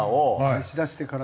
持ち出してから。